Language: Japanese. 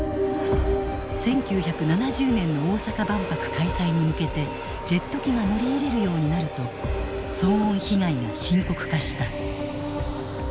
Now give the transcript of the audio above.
１９７０年の大阪万博開催に向けてジェット機が乗り入れるようになると騒音被害が深刻化した。